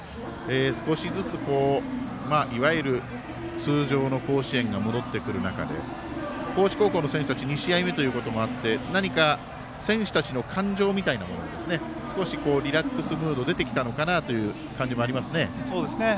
少しずついわゆる通常の甲子園が戻ってくる中で高知高校の選手たち２試合目ということもあって何か、選手たちの感情みたいなものが少しリラックスムード出てきたのかなという感じがありますね。